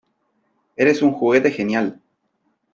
¡ Eres un juguete genial !